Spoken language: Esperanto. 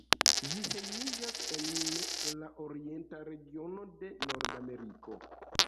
Ĝi hejmiĝas en la orienta regiono de Nordameriko.